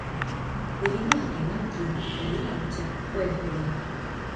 Debido a que Mankind perdió la lucha, fue despedido.